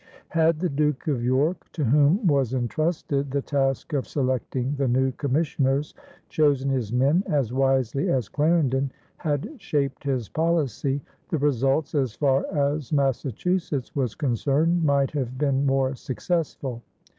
Had the Duke of York, to whom was entrusted the task of selecting the new commissioners, chosen his men as wisely as Clarendon had shaped his policy, the results, as far as Massachusetts was concerned, might have been more successful.